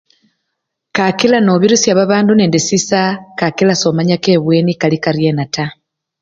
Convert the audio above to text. Kakila nobirisya babandu nende sisa kakila somanya kebweni karikaryena taa.